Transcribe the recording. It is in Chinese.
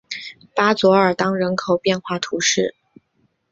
巴佐尔当人口变化图示